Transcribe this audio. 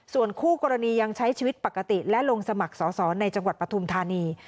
ส่วนคู่กรณียังใช้ชีวิตปกติและลงสมัครสอสอในจังหวัดปฐุมธานี